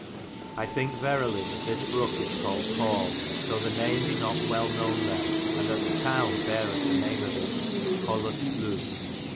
I thing verely that this broke is caullid Corve, though the name be not welle knowen there, and that the toune berith the name of it (Colus flu.).